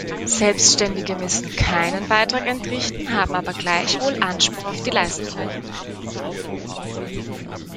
Selbständige müssen keinen Beitrag entrichten, haben aber gleichwohl Anspruch auf die Leistungen.